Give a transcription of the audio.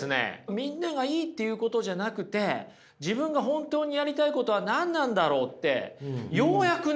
みんなが「いい」って言うことじゃなくて自分が本当にやりたいことは何なんだろうってようやくね